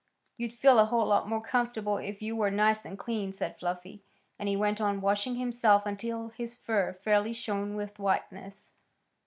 "You'd feel a whole lot more comfortable if you were nice and clean," said Fluffy, and he went on washing himself until his fur fairly shone with whiteness.